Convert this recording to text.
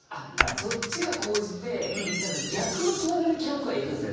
そっちが高じて何か逆のつながりでキャンプカーにいくんすね。